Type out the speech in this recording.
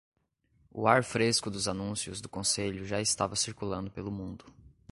O ar fresco dos anúncios do conselho já estava circulando pelo mundo.